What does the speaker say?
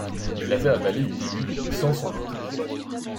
Il avait avalé une aiguille, sans s’en douter…